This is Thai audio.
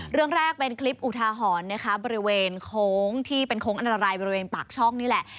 เรื่องแรกเป็นคลิปอุทาหรณ์นะคะบริเวณโค้งที่เป็นโค้งอันตรายบริเวณปากช่องนี่แหละ